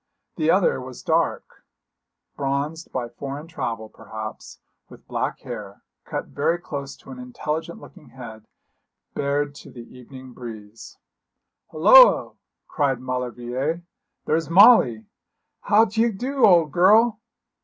The other was dark, bronzed by foreign travel, perhaps, with black hair, cut very close to an intelligent looking head, bared to the evening breeze. 'Hulloa!' cried Maulevrier. 'There's Molly. How d'ye do, old girl?'